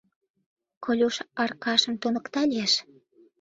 Колюш Аркашым туныкта лиеш.